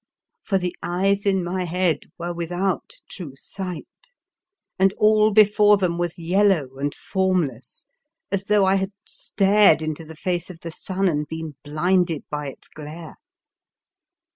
For the eyes in my head were without true sight, and all before them was yellow and formless, as though I had stared into the face of the sun and been blinded by its glare.